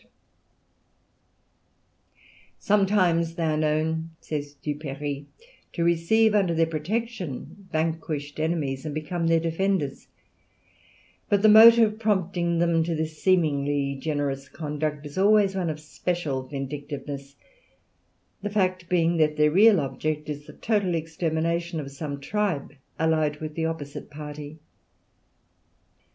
Trans.] "Sometimes they are known," says Duperrey, "to receive under their protection vanquished enemies and become their defenders; but the motive prompting them to this seemingly generous conduct is always one of special vindictiveness; the fact being that their real object is the total extermination of some tribe allied with the opposite party.